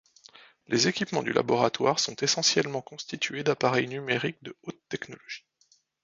Les équipements du laboratoire sont essentiellement constitués d'appareils numériques de haute technologie.